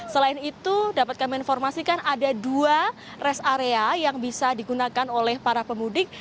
selain itu dapat kami informasikan ada dua rest area yang bisa digunakan oleh para pemudik